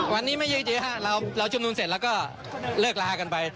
วันนี้ไม่เยอะเราชุมนุมเสร็จแล้วก็เลิกลากันไป